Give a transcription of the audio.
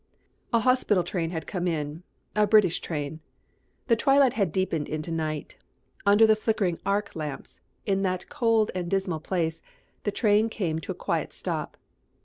A hospital train had come in, a British train. The twilight had deepened into night. Under the flickering arc lamps, in that cold and dismal place, the train came to a quiet stop.